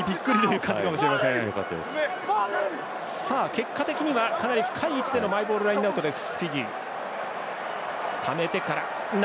結果的にはかなり深い位置でのマイボールラインアウトです。